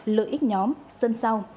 lợi ích nhóm sân sau